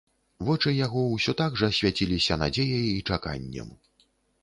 Вочы яго ўсё так жа свяціліся надзеяй і чаканнем.